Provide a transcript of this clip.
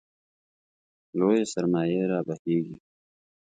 لویې سرمایې رابهېږي.